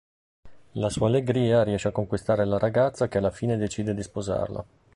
La sua allegria riesce a conquistare la ragazza che alla fine decide di sposarlo.